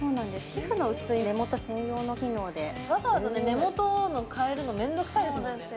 皮膚の薄い目元専用の機能でわざわざ目元のかえるの面倒くさいですもんね